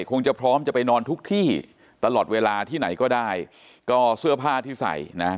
คงจะพร้อมจะไปนอนทุกที่ตลอดเวลาที่ไหนก็ได้ก็เสื้อผ้าที่ใส่นะฮะ